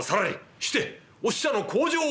「してお使者の口上は？」。